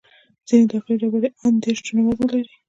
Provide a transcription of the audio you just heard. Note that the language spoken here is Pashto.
ځینې داخلي ډبرې یې ان دېرش ټنه وزن لري.